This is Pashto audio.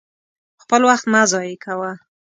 خپل وخت مه ضايع کوه!